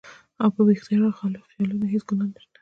او پۀ بې اختياره خيالونو هېڅ ګناه نشته